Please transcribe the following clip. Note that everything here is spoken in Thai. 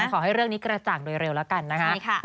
ขอให้เรื่องนี้กระจ่างโดยเร็วแล้วกันนะคะ